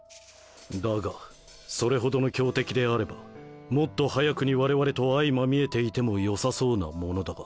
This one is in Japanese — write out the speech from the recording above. だがそれほどの強敵であればもっと早くに我々と相まみえていてもよさそうなものだが？